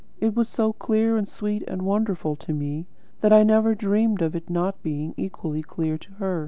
It was so clear and sweet and wonderful to me, that I never dreamed of it not being equally clear to her.